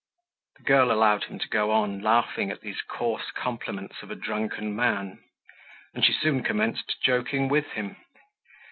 The girl allowed him to go on, laughing at these coarse compliments of a drunken man. And she soon commenced joking with him.